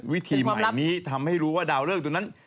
วิธีใหม่นี้ทำให้รู้ว่าดาวเลิกตัวนั้น